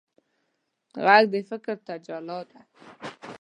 غږ د فکر تجلی ده